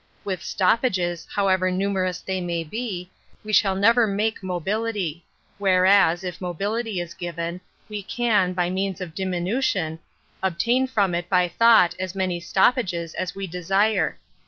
With stoppages, however numerous they may be, we shall never make mobility; whereas, if mobility is given, we can, by means of diminution, obtain from / 68 An Introduction to it by thought as many stoppages as we de sire.